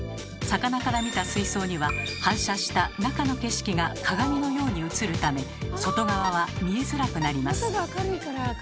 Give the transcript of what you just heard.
魚から見た水槽には反射した中の景色が鏡のように映るため外側は見えづらくなります。